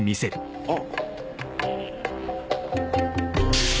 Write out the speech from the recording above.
あっ！